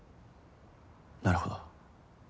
なるほど。